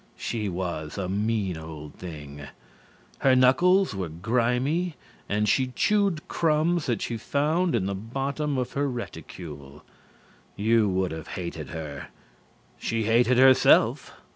She was a mean old thing. Her knuckles were grimy and she chewed crumbs that she found in the bottom of her reticule. You would have hated her. She hated herself.